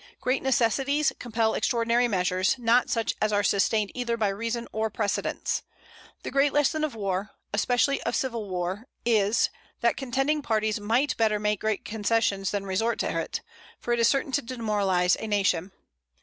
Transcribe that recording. Great necessities compel extraordinary measures, not such as are sustained either by reason or precedents. The great lesson of war, especially of civil war, is, that contending parties might better make great concessions than resort to it, for it is certain to demoralize a nation.